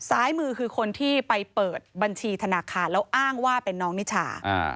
ซ้ายมือคือคนที่ไปเปิดบัญชีธนาคารแล้วอ้างว่าเป็นน้องนิชา